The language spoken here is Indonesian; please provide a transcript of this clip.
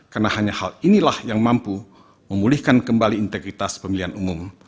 karena hanya hal inilah yang mampu memulihkan kembali integritas pemilihan umum